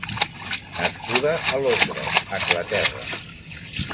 Nascuda a Londres, Anglaterra.